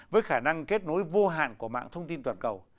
với khả năng kết nối vô hạn của mạng thông tin toàn cầu